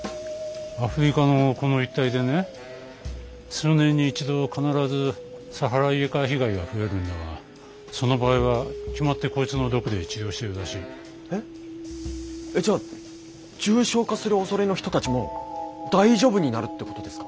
アフリカのこの一帯でね数年に一度必ずサハライエカ被害が増えるんだがその場合は決まってこいつの毒で治療しているらしい。え？えじゃあ重症化するおそれの人たちも大丈夫になるってことですか！？